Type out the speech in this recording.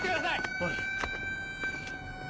おい。